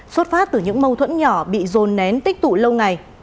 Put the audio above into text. xuất phát từ những mâu thuẫn nhỏ bị dồn nén tích tụ lâu ngày